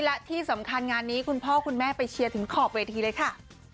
และที่สำคัญงานนี้คุณพ่อคุณแม่ไปเชียร์ถึงขอบเวทีเลยค่ะ